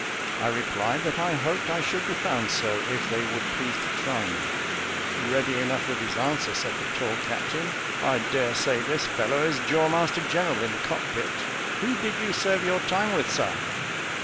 I replied, that I hoped I should be found so, if they would please to try me. "Ready enough with his answer," said the tall captain; "I daresay this fellow is jaw master general in the cockpit. Who did you serve your time with, Sir?"